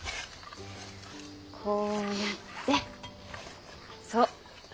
こうやってそう。